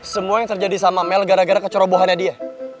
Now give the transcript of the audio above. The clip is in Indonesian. semua yang terjadi sama mel gara gara kecerobohannya dia